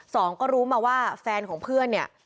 สองก็รู้มาว่าแฟนของเพื่อนเนี่ย